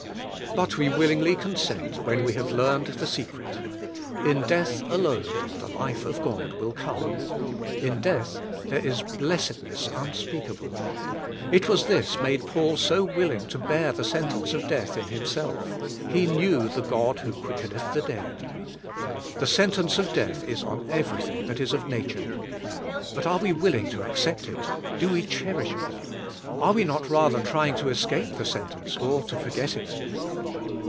But we willingl}' consent when we have learned the secret; in death alone the life of God will come; in death there is blessedness un speakable. It was this made Paul so willing to bear the sentence of death in himself ; he knew the God w^ho quickeneth the dead. The sentence of death is on ever3^thing that is of nature. But are we willing to accept it, do we cherish it? and are we not rather trying to escape the sentence or to for get it?